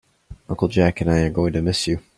Uncle Jack and I are going to miss you.